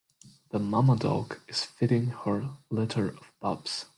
The momma dog is feeding her litter of pups.